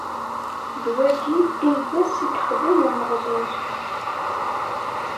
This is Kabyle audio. D wagi i d ass i yexdem Umeɣlal.